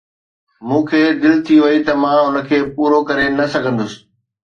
مون کي دل ٿي وئي ته مان ان کي پورو ڪري نه سگھندس.